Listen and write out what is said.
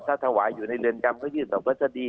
ถ้าถวายอยู่ในเรือนกรรมก็ยืดต่อรัฐมนตรี